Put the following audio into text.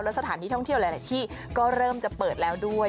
สถานที่ท่องเที่ยวหลายที่ก็เริ่มจะเปิดแล้วด้วย